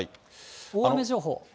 大雨情報。